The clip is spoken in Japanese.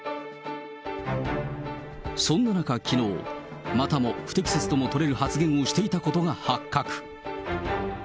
そんな中、きのう、またも不適切とも取れる発言をしていたことが発覚。